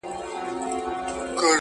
پوهه د انسان وزرونه پیاوړي کوي!